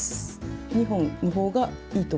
２本の方がいいと思う。